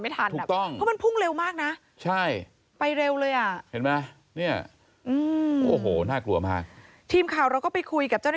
มันลงมาไม่ทันอะ